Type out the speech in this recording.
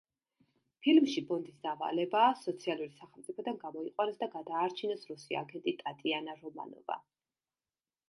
ფილმში ბონდის დავალებაა, სოციალური სახელმწიფოდან გამოიყვანოს და გადაარჩინოს რუსი აგენტი ტატიანა რომანოვა.